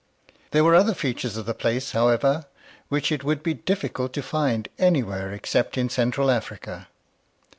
There were other features of the place, however, which it would be difficult to find anywhere except in Central Africa.